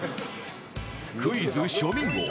クイズ庶民王